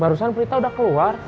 barusan berita udah keluar